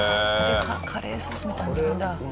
カレーソースみたいになるんだ。